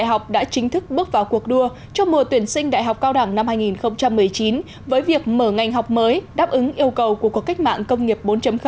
các học đã chính thức bước vào cuộc đua cho mùa tuyển sinh đại học cao đẳng năm hai nghìn một mươi chín với việc mở ngành học mới đáp ứng yêu cầu của cuộc cách mạng công nghiệp bốn